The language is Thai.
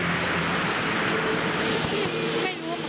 พี่ก็ไม่ค่อยได้เข้ามา